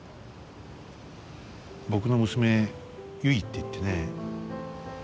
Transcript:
僕の娘、ゆいっていってね